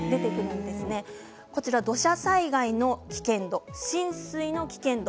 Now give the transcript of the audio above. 土砂災害の危険と浸水の危険度